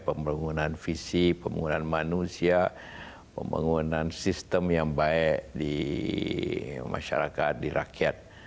pembangunan visi pembangunan manusia pembangunan sistem yang baik di masyarakat di rakyat